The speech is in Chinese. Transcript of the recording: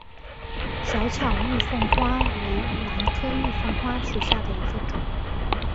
小巧玉凤花为兰科玉凤花属下的一个种。